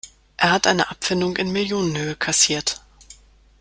Er hat eine Abfindung in Millionenhöhe kassiert.